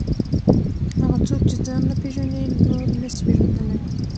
هغه څوک چې ځان نه پېژني نور نسي پېژندلی.